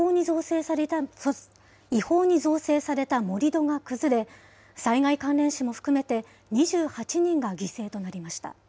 違法に造成された盛り土が崩れ、災害関連死も含めて、２８人が犠牲となりました。